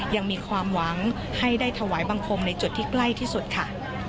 ยังมีความหวังให้ได้ถวายบังคมในจุดที่ใกล้ที่สุดค่ะ